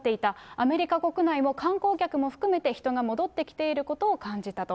アメリカ国内も、観光客も含めて人が戻ってきていることを感じたと。